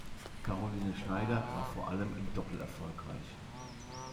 Caroline Schneider war vor allem im Doppel erfolgreich.